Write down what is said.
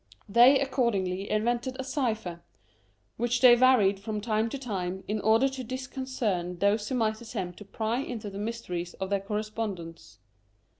They accordingly invented 24 Curiosities of Cypher cypher, which they varied from time to time, in order to disconcert those who might attempt to pry into the mysteries of their correspondence.